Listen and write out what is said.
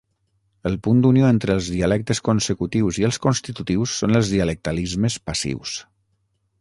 El punt d'unió entre els dialectes consecutius i els constitutius són els dialectalismes passius.